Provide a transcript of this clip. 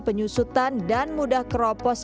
penyusutan dan mudah keropos